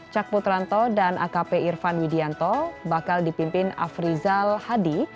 cak putranto dan akp irfan widianto bakal dipimpin afrizal hadi